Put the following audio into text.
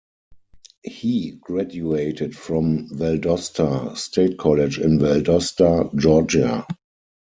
He graduated from Valdosta State College in Valdosta, Georgia.